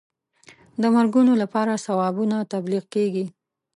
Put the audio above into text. د مرګونو لپاره ثوابونه تبلیغ کېږي.